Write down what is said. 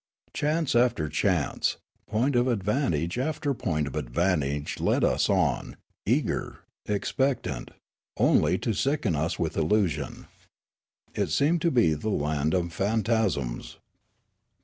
Chance after chance, point of vantage after point of vantage led us on, eager, expectant, only to sicken us with illusion. It seemed to be the land of phantasms.